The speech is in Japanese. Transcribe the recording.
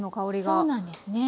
そうなんですね。